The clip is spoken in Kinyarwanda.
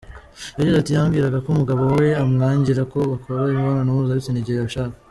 Yagize ati “Yambwiraga ko umugabo we amwangira ko bakora imibonano mpuzabitsina igihe abishaka.